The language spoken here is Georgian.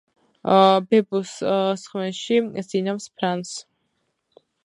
ბებოს სხვენში სძინავს ფრანს